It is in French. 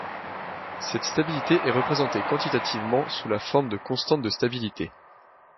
Cette stabilité est représentée quantitativement sous la forme de constantes de stabilités.